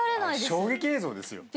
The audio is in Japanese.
衝撃映像ですよ。